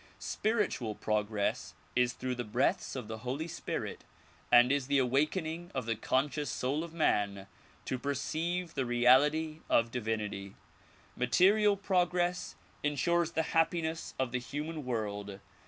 Spiritual progress is through the breaths of the Holy Spirit and is the awakening of the conscious soul of man to perceive the reality of divinity. Material progress insures the happiness of the human world.